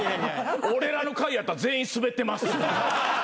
「俺らの回やったら全員スベってます」